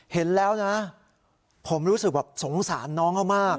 เห็นแล้วนะผมรู้สึกแบบสงสารน้องเขามาก